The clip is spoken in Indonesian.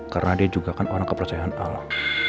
karena dia juga kan orang kepercayaan allah